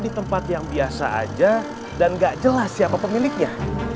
sholat yang biasa aja dan enggak jelas siapa pemiliknya